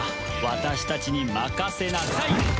私たちに任せなさい！